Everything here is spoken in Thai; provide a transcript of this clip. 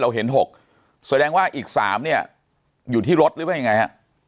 เห็น๖แสดงว่าอีก๓เนี่ยอยู่ที่รถหรือว่ายังไงฮะ